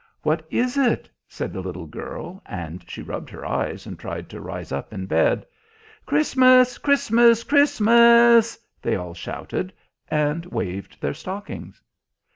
"What is it?" said the little girl, and she rubbed her eyes and tried to rise up in bed. "Christmas! Christmas! Christmas!" they all shouted, and waved their stockings.